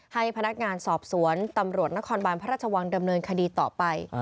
ให้พนักงานสอบสวนตำรวจนครบานพระราชวังดำเนินคดีต่อไป